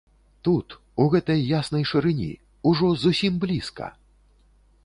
Тут, у гэтай яснай шырыні, ужо зусім блізка!